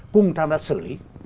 cùng tham gia xử lý